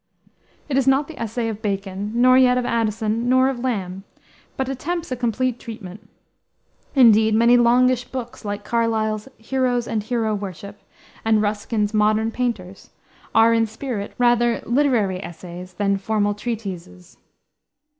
It is not the essay of Bacon, nor yet of Addison, nor of Lamb, but attempts a complete treatment. Indeed, many longish books, like Carlyle's Heroes and Hero Worship and Ruskin's Modern Painters, are, in spirit, rather literary essays than formal treatises.